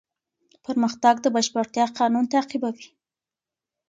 پرمختګ د بشپړتیا قانون تعقیبوي.